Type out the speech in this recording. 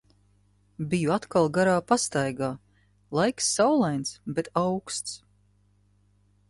Biju atkal garā pastaigā, laiks saulains, bet auksts.